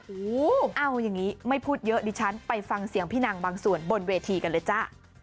โอ้โหเอาอย่างนี้ไม่พูดเยอะดิฉันไปฟังเสียงพี่นางบางส่วนบนเวทีกันเลยจ้า